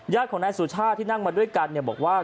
ของนายสุชาติที่นั่งมาด้วยกันบอกว่า